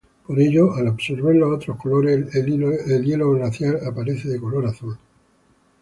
Por ello, al absorber los otros colores, el hielo glaciar aparece de color azul.